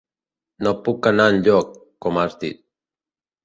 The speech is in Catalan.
No puc anar enlloc, com has dit.